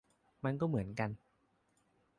มันก็เหมือนกัน